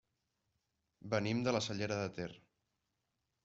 Venim de la Cellera de Ter.